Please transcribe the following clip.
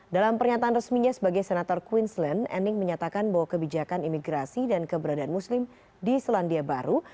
dalam pernyataan resminya sebagai senator queensland ening menyatakan bahwa kebijakan imigrasi dan keberadaan muslim di selandia baru